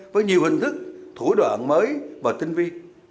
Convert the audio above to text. với nhiều hình thức thủ đoạn mới và tinh vi